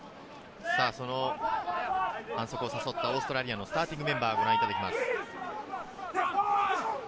反則を誘ったオーストラリアのスターティングメンバーをご覧いただきます。